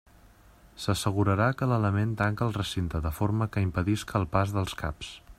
S'assegurarà que l'element tanca el recinte, de forma que impedisca el pas dels caps.